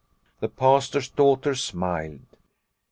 The Pastor's daughter smiled.